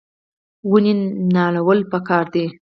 ونې نالول پکار دي